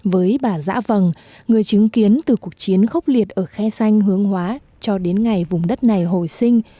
với bà giã vầng người chứng kiến từ cuộc chiến khốc liệt ở khe xanh hướng hóa cho đến ngày vùng đất này hồi sinh